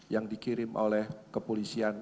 yang dikirim oleh kepolisian